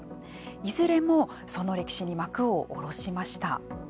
いずれもその歴史に幕を下ろしました。